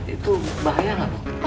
itu bahaya gak dokter